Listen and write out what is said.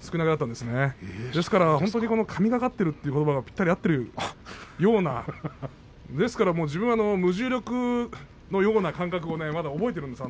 ですから本当に神がかっているということばがぴったり合っているようなですから自分は無重力のような感覚をまだ覚えているんですよ。